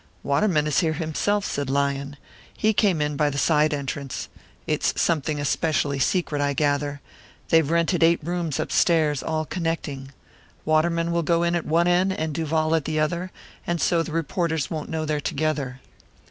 "Waterman is here himself," said Lyon. "He came in by the side entrance. It's something especially secret, I gather they've rented eight rooms upstairs, all connecting. Waterman will go in at one end, and Duval at the other, and so the reporters won't know they're together!"